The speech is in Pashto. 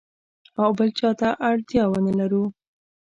او بل چاته اړتیا ونه لرو.